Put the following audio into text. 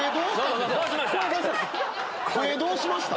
声どうしました？